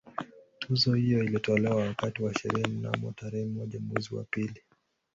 Tuzo hiyo ilitolewa wakati wa sherehe mnamo tarehe moja mwezi wa pili